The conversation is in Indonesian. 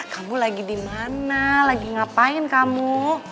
kamu lagi dimana lagi ngapain kamu